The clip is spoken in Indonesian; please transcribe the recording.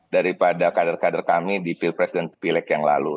daripada kader kader kami di pilpres dan pilek yang lalu